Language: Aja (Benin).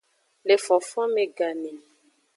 Le fonfonme gane.